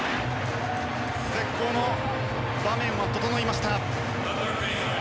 絶好の場面は整いました。